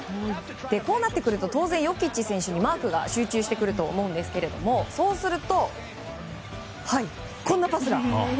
こうなってくると当然ヨキッチ選手にマークが集中してくると思うんですがそうすると、こんなパスが。